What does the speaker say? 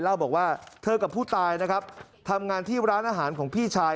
เล่าบอกว่าเธอกับผู้ตายนะครับทำงานที่ร้านอาหารของพี่ชาย